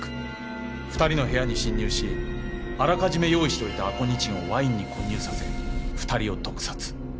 ２人の部屋に侵入しあらかじめ用意しておいたアコニチンをワインに混入させ２人を毒殺。